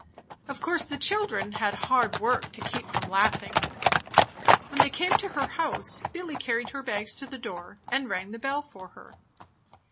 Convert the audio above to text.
Of course the children had hard work to keep from laughing. When they came to her house, Billy carried her bags to the door and rang the bell for her.